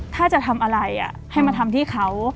ถ้าจะทำอะไรให้มาทำที่เขา